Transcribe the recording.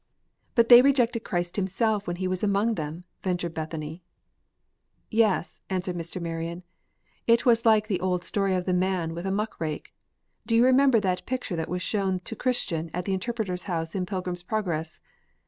"But they rejected Christ himself when he was among them," ventured Bethany. "Yes," answered Mr. Marion, "it was like the old story of the man with a muck rake. Do you remember that picture that was shown to Christian at the interpreter's house in 'Pilgrim's Progress?'